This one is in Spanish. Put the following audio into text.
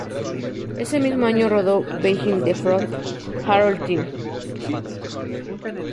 Ese mismo año rodó "Behind the Front" y "Harold Teen".